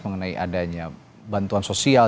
mengenai adanya bantuan sosial